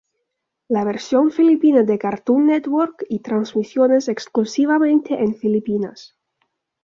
La versión filipina de Cartoon Network y transmisiones exclusivamente en Filipinas.